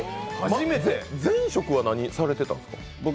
前職は何されてたんですか？